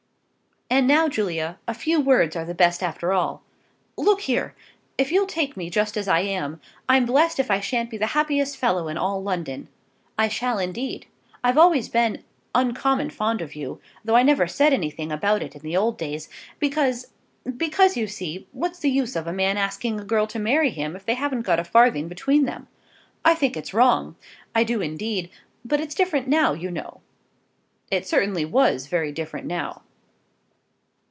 And now, Julia, a few words are the best after all. Look here, if you'll take me just as I am, I'm blessed if I shan't be the happiest fellow in all London. I shall indeed. I've always been uncommon fond of you, though I never said anything about it in the old days, because, because you see, what's the use of a man asking a girl to marry him if they haven't got a farthing between them. I think it's wrong; I do indeed; but it's different now, you know." It certainly was very different now.